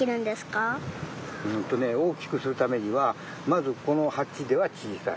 うんとね大きくするためにはまずこのはちではちいさい。